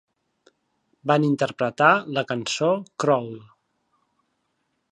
Van interpretar la cançó "Crawl".